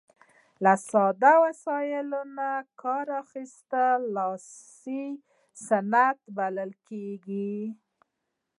له ساده وسایلو څخه کار اخلي لاسي صنایع بلل کیږي.